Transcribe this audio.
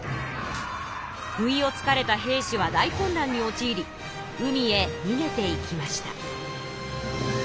不意をつかれた平氏は大混乱におちいり海へにげていきました。